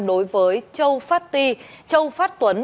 đối với châu phát ti châu phát tuấn